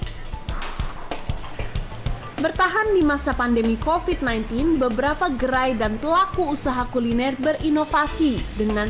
hai bertahan di masa pandemi kofit sembilan belas beberapa gerai dan pelaku usaha kuliner berinovasi dengan